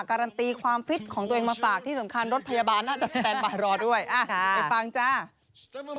การันตีความฟิตของตัวเองมาฝากที่สำคัญรถพยาบาลน่าจะสแตนบายรอด้วยไปฟังจ้า